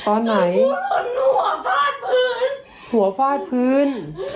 แล้วก็ร้องไห้หัวฟาดพื้น